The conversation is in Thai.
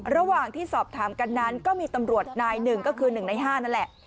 ระหว่างที่สอบถามกันนั้นก็มีตำรวจนายหนึ่งก็คือ๑ใน๕นั่นแหละ